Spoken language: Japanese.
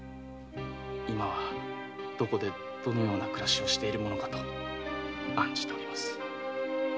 今はどこでどんな暮らしをしているものかと案じています。